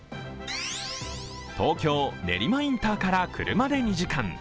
東京・練馬インターから車で２時間。